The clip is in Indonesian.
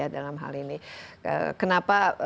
dalam hal ini kenapa